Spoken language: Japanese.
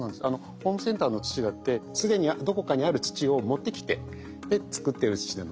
ホームセンターの土だって既にどこかにある土を持ってきてで作ってる土なので。